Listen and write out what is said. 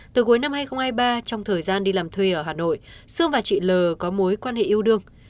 từ cuối năm hai nghìn hai mươi ba trong thời gian đi làm thuê ở hà nội sương và chị l có mối quan hệ yêu đương